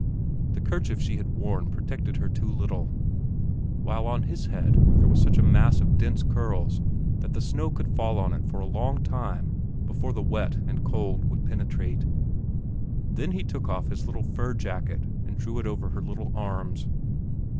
The kerchief she had worn protected her too little, while on his head there was such a mass of dense curls that the snow could fall on it for a long time before the wet and cold would penetrate. Then he took off his little fur jacket and drew it over her little arms.